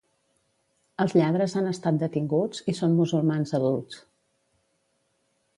Els lladres han estat detinguts i són musulmans adults